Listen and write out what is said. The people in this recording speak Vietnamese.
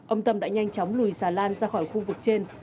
ông tâm đã nhanh chóng lùi xà lan ra khỏi khu vực trên